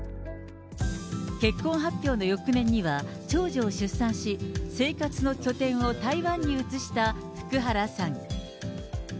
結婚発表の翌年には、長女を出産し、生活の拠点を台湾に移した福原さん。